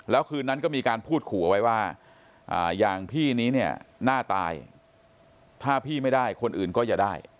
แล้วคืนนั้นก็มีการพูดขู่เอาไว้ว่าอย่างพี่นี้เนี่ยน่าตายถ้าพี่ไม่ได้คนอื่นก็อย่าได้